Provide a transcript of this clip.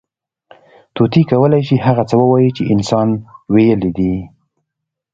طوطي کولی شي، هغه څه ووایي، چې انسان ویلي دي.